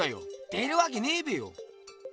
出るわけねえべよ！